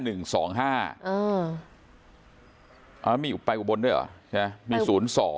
เออมีไปอุบรณ์ด้วยหรอใช่ไหมมีศูนย์๒